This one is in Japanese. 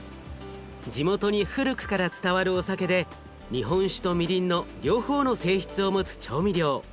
地元に古くから伝わるお酒で日本酒とみりんの両方の性質を持つ調味料。